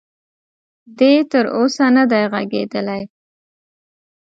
دې تر اوسه ندی ږغېدلی.